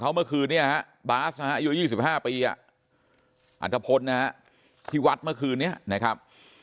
เขาเมื่อคืนเนี่ยบาส๒๕ปีอัตภพรที่วัดเมื่อคืนเนี่ยนะครับ